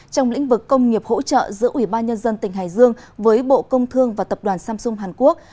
trong lĩnh vực công nghiệp hỗ trợ giữa ủy ban nhân dân tỉnh hải dương với bộ công thương và tập đoàn samsung hàn quốc